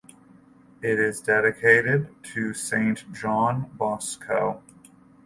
It is dedicated to Saint John Bosco.